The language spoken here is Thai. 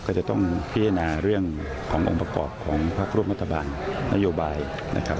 ก็จะต้องพิจารณาเรื่องขององค์ประกอบของพักร่วมรัฐบาลนโยบายนะครับ